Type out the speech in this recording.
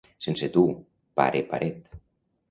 Sense tu, pare paret.